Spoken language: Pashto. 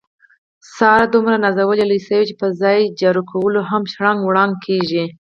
ساره دومره نازولې لویه شوې، چې په ځای جارو کولو هم شړانګې وړانګې کېږي.